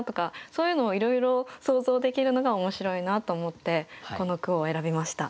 そういうのをいろいろ想像できるのが面白いなと思ってこの句を選びました。